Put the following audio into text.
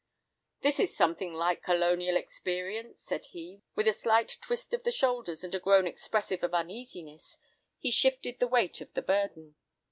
"This is something like 'colonial experience,'" said he. With a slight twist of the shoulders, and a groan expressive of uneasiness, he shifted the weight of the burden.